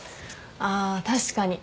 あ確かに。